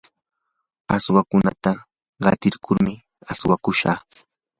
ashmankunata qatikurkurmi aywakushqa.